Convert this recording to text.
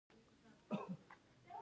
شرکتونه باید ځمکه بیرته جوړه کړي.